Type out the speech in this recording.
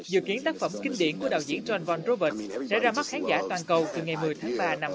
dự kiến tác phẩm kinh điển của đạo diễn john von rovers sẽ ra mắt khán giả toàn cầu từ ngày một mươi tháng ba năm hai nghìn một mươi bảy